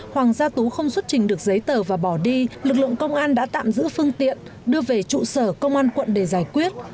hoàng gia tú không xuất trình được giấy tờ và bỏ đi lực lượng công an đã tạm giữ phương tiện đưa về trụ sở công an quận để giải quyết